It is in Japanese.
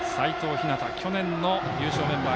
陽去年の優勝メンバー。